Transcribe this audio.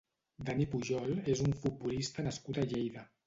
Dani Pujol és un futbolista nascut a Lleida.